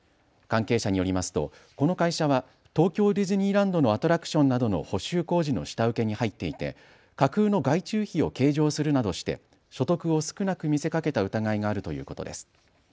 関係者によりますとこの会社は東京ディズニーランドのアトラクションなどの補修工事の下請けに入っていて架空の外注費を計上するなどして所得を少なく見せかけた疑いがあるということです。